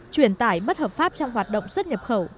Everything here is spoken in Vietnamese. truyền tải bất hợp pháp trong hoạt động xuất nhập khẩu